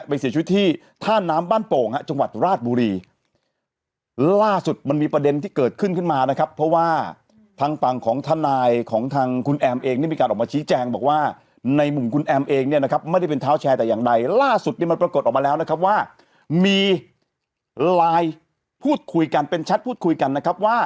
เสียชีวิตที่ท่าน้ำบ้านโป่งฮะจังหวัดราชบุรีล่าสุดมันมีประเด็นที่เกิดขึ้นขึ้นมานะครับเพราะว่าทางฝั่งของทนายของทางคุณแอมเองได้มีการออกมาชี้แจงบอกว่าในมุมคุณแอมเองเนี่ยนะครับไม่ได้เป็นเท้าแชร์แต่อย่างใดล่าสุดเนี่ยมันปรากฏออกมาแล้วนะครับว่ามีไลน์พูดคุยกันเป็นแชทพูดคุยกันนะครับว่า